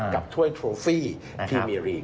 ถ้วยโทฟี่พรีเมียรี